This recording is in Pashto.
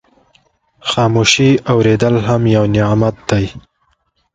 خاموشي اورېدل هم یو نعمت دی.